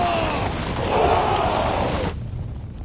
お！